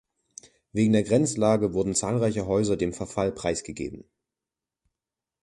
Wegen der Grenzlage wurden zahlreiche Häuser dem Verfall preisgegeben.